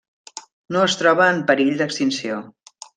No es troba en perill d'extinció.